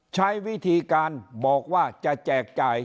ใช้วิธีการบอกว่าจะแจกจ่าย